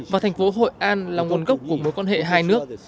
và thành phố hội an là nguồn gốc của mối quan hệ hai nước